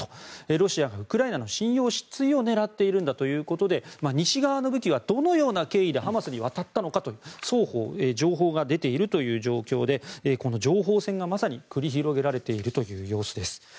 ロシアがウクライナの信用失墜を狙っているんだということで西側の武器がどのような経緯でハマスに渡ったのかと双方情報が出ているという状況でこの情報戦がまさに繰り広げられているという様子です。